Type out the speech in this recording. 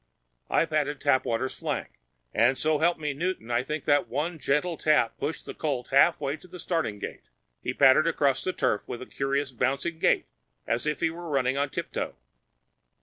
I patted Tapwater's flank, and so help me Newton, I think that one gentle tap pushed the colt half way to the starting gate! He pattered across the turf with a curious bouncing gait as if he were running on tiptoe.